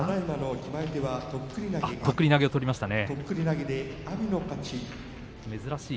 決まり手とっくり投げを取りましたね。